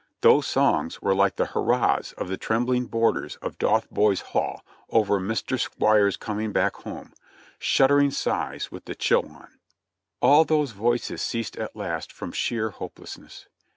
Those songs were like the hurrahs of the trembling boarders of "Dotheboy's Hall" over Mr. Squeer's coming back home — shud dering sighs with the chill on. All those voices ceased at last from sheer hopelessness.